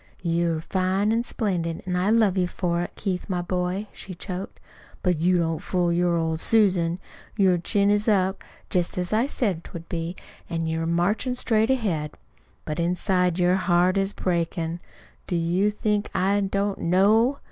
"You're fine an' splendid, an' I love you for it, Keith, my boy," she choked; "but you don't fool your old Susan. Your chin is up, jest as I said 'twould be, an' you're marchin' straight ahead. But inside, your heart is breakin'. Do you think I don't KNOW?